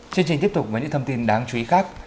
chương trình tiếp tục với những thông tin đáng chú ý khác